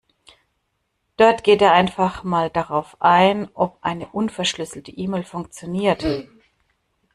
Dort geht er einfach mal darauf ein, ob eine unverschlüsselte E-Mail funktioniert.